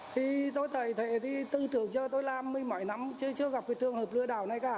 thì tôi thảy thế thì tư tưởng cho tôi làm mấy mấy năm chưa gặp cái thường hợp lừa đảo này cả